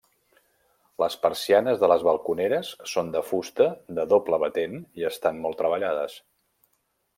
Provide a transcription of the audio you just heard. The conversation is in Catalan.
Les persianes de les balconeres són de fusta de doble batent i estan molt treballades.